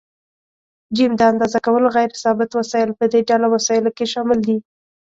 ج: د اندازه کولو غیر ثابت وسایل: په دې ډله وسایلو کې شامل دي.